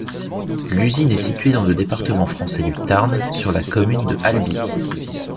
L'usine est située dans le département français du Tarn, sur la commune de Albi.